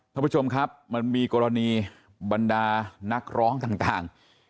ท่านผู้ชมครับมันมีกรณีบรรดานักร้องต่าง